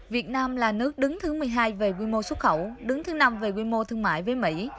việt nam là nước đứng thứ một mươi hai về quy mô xuất khẩu đứng thứ năm về quy mô thương mại với mỹ